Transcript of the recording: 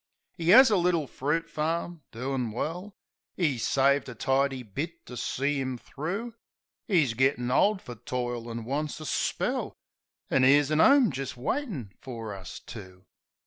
'E 'as a little fruit farm, doin' well; 'E saved a tidy bit to see 'im thro'; 'E's gittin' old fer toil, an' wants a spell ; An' 'ere's a 'ome jist waitin' fer us two.